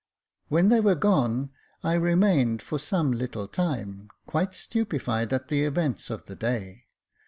When they were gone, I remained for some little time quite stupefied at the events of the day.